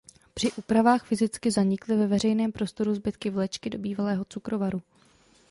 Při úpravách fyzicky zanikly ve veřejném prostoru zbytky vlečky do bývalého cukrovaru.